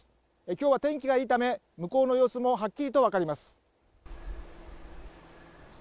今日は天気がいいため向こうの様子もはっきりと分かります。